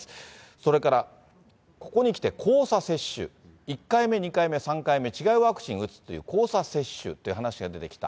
それからここにきて交差接種、１回目、２回目、３回目、違うワクチンを打つという交差接種という話が出てきた。